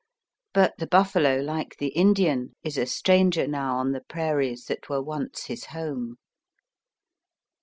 But the buffalo, like the Indian, is a stranger now on the prairies that were once his home.